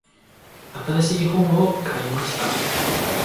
新しい本を買いました。